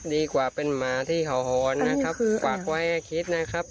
ดีกว่าเป็นหมาที่เห่าหอนนะครับฝากไว้ให้คิดนะครับ